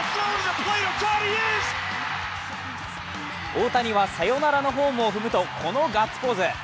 大谷はサヨナラのホームを踏むと、このガッツポーズ。